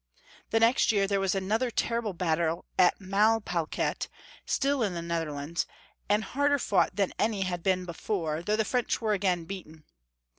The next year there was another terrible battle at Malplaquet, still in the Netherlands, and harder fought than any had been before, though the French were again beaten.